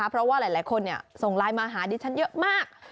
เพราะว่าหลายคนส่งไลน์มาหาดิฉันเยอะมาก